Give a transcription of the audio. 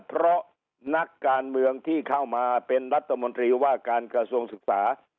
เพราะนักการเมืองที่เข้ามาเป็นรัฐมนตรีว่าการกระทรวงศึกษา